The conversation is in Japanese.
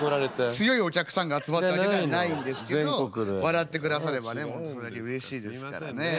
強いお客さんが集まったわけではないんですけど笑ってくださればね本当うれしいですからね。